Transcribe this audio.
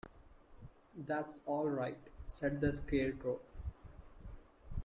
"That's all right," said the Scarecrow.